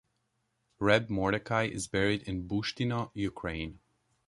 Reb Mordechai is berried in Bushtyno, Ukraine.